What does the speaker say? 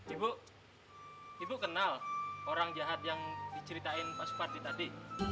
ibu ibu kenal orang jahat yang diceritain pak suparti tadi